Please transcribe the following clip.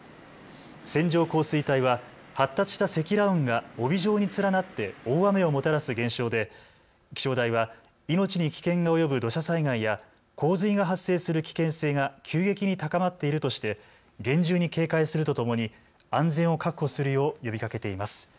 線状降水帯は発達した積乱雲が帯状に連なって大雨をもたらす現象で気象台は命に危険が及ぶ土砂災害や洪水が発生する危険性が急激に高まっているとして厳重に警戒するとともに安全を確保するよう呼びかけています。